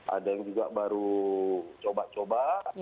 ada yang juga baru coba coba